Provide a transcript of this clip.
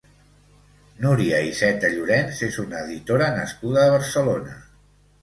Núria Iceta Llorens és una editora nascuda a Barcelona.